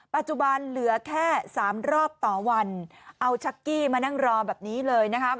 ปัจจุบันเหลือแค่สามรอบต่อวันเอาชักกี้มานั่งรอแบบนี้เลยนะครับ